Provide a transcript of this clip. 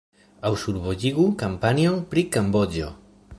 Aŭ survojigu kampanjon pri Kamboĝo.